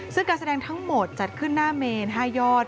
ซึ่งการแสดงทั้งหมดจัดขึ้นหน้าเมน๕ยอด